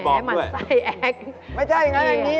เรานี่นะนี่เจ๊เลี้ยงเลยเลี้ยงเลย